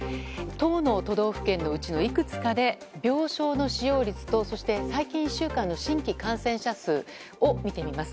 １０の都道府県のうちのいくつかで病床の使用率と最近１週間の新規感染者数を見てみます。